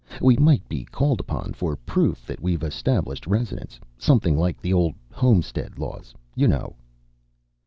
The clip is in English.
We might be called upon for proof that we've established residence. Something like the old homestead laws, you know."